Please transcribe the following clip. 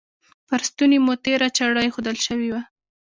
پر ستوني مو تیره چاړه ایښودل شوې وه.